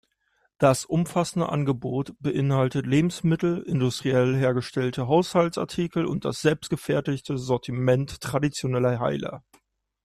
Das umfassende Angebot beinhaltet Lebensmittel, industriell hergestellte Haushaltsartikel und das selbstgefertigte Sortiment traditioneller Heiler.